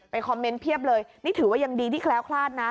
คอมเมนต์เพียบเลยนี่ถือว่ายังดีที่แคล้วคลาดนะ